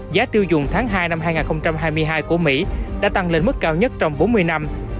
giá tiêu dùng tháng hai năm hai nghìn hai mươi hai của mỹ đã tăng lên mức cao nhất trong bốn mươi năm